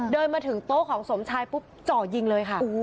เดินมาถึงโต๊ะของสมชายปุ๊บจ่อยิงเลยค่ะ